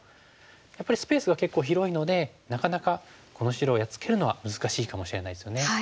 やっぱりスペースが結構広いのでなかなかこの白をやっつけるのは難しいかもしれないですよね。